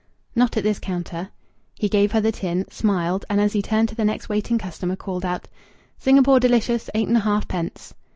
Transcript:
"Not at this counter." He gave her the tin, smiled, and as he turned to the next waiting customer, called out "Singapore Delicious, eight and a half pence."